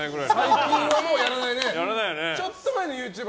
最近はもうやらないね。